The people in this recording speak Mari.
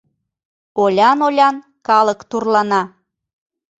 Олян-олян калык турлана.